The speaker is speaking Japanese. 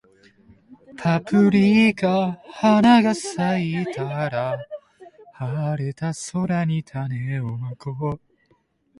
パプリカ花が咲いたら、晴れた空に種をまこう